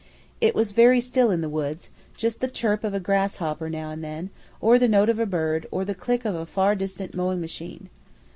It was very still in the woods; just the chirp of a grasshopper now and then, or the note of a bird, or the click of a far distant mowing machine.